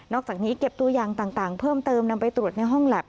อกจากนี้เก็บตัวอย่างต่างเพิ่มเติมนำไปตรวจในห้องแล็บ